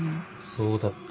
そうだった。